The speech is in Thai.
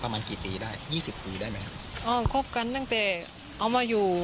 ประมาณกี่ปีได้ยี่สิบปีได้ไหมครับอ๋อคบกันตั้งแต่เอามาอยู่